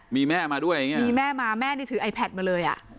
มีแม่มาด้วยถือไอแพ็ดมาเลย